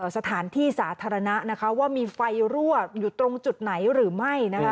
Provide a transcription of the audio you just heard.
สถานที่สาธารณะนะคะว่ามีไฟรั่วอยู่ตรงจุดไหนหรือไม่นะคะ